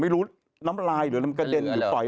ไม่รู้น้ำลายหรือลำกระเด็นอยู่ปล่อย